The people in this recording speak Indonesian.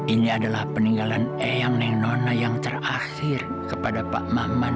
ini adalah peninggalan eyang nengona yang terakhir kepada pak maman